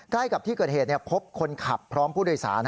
ใกล้กับที่เกิดเหตุพบคนขับพร้อมผู้โดยสาร